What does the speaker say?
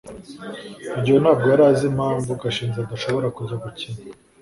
rugeyo ntabwo yari azi impamvu gashinzi adashobora kujya gukina